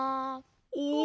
お。